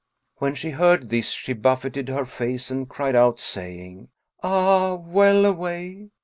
When she heard this, she buffeted her face and cried out, saying, "Ah, well away!